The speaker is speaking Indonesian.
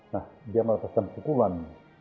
nah dia meletakkan pukulan